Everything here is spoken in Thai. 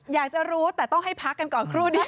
อยากจะรู้แต่ต้องให้พักกันก่อนครู่เดียว